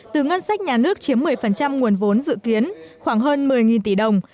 từ ngân sách nhà nước chiếm một mươi nguồn vốn dự kiến khoảng hơn một mươi tỷ đồng